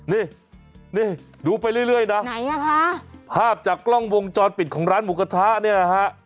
นี่นี่ดูไปเรื่อยนะไหนอ่ะคะภาพจากกล้องวงจรปิดของร้านหมูกระทะเนี่ยนะฮะ